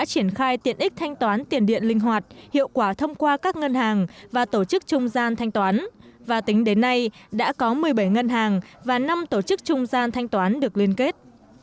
triển khai tiện ích thanh toán tiền điện linh hoạt hiệu quả thông qua các ngân hàng và tổ chức trung gian thanh toán và tính đến nay đã có một mươi bảy ngân hàng và năm tổ chức trung gian thanh toán được liên kết